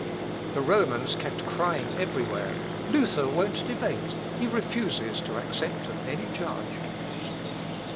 The Romans kept crying every where, "Luther won't debate he refuses to accept of any judge!"